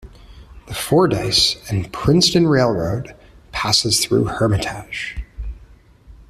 The Fordyce and Princeton Railroad passes through Hermitage.